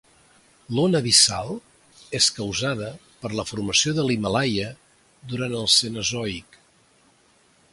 L'ona abissal és causada per la formació de l'Himàlaia durant el Cenozoic.